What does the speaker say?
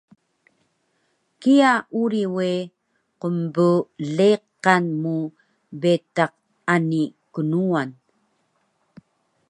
kiya uri we qnbleqan mu betaq ani knuwan